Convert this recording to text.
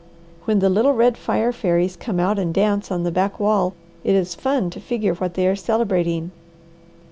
When the little red fire fairies come out and dance on the backwall it is fun to figure what they are celebrating.